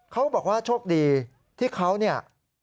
เขาบอกว่าโชคดีที่เขาเนี่ย